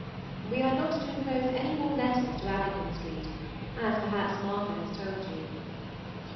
We are not to enclose any more letters to Abingdon Street, as perhaps Martha has told you.